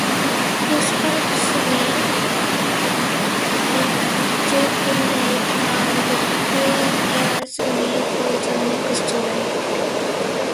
This helps me rejuvenate and prepares me for the next day.